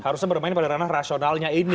harusnya bermain pada ranah rasionalnya ini